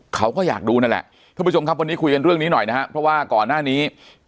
เขาก็อยากดูนั่นแหละทุกผู้ชมครับวันนี้คุยกันเรื่องนี้หน่อยนะครับเพราะว่าก่อนหน้านี้